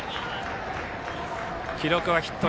記録はヒット。